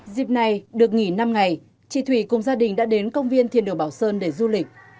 dịp này được nghỉ năm ngày chị thủy cùng gia đình đã đến công viên thiền đồ bảo sơn để du lịch